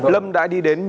lâm đã đi đến nhiều nơi